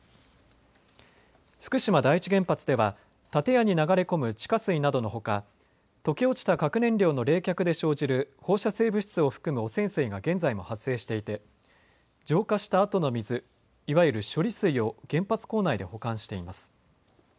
福島第一原発では建屋に流れ込む地下水などのほか、溶け落ちた核燃料の冷却で生じる放射性物質を含む汚染水が現在も発生していて、浄化したあとの水、いわゆる処理水を原発構内で保管しています。